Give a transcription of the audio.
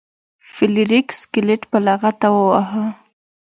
فلیریک سکلیټ په لغته وواهه.